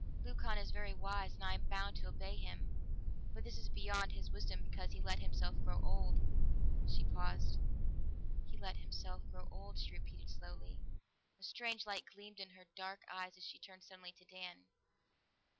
"Leucon is very wise and I am bound to obey him, but this is beyond his wisdom because he let himself grow old." She paused. "He let himself grow old," she repeated slowly. A strange light gleamed in her dark eyes as she turned suddenly to Dan.